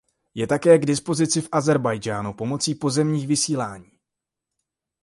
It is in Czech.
Je také k dispozici v Ázerbájdžánu pomocí pozemní vysílání.